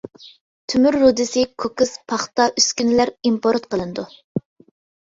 تۆمۈر رۇدىسى، كوكس، پاختا، ئۈسكۈنىلەر ئىمپورت قىلىنىدۇ.